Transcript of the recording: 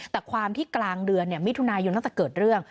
แต่ความที่กลางเดือนมิถุนายนตั้งแต่เกิดเรื่อง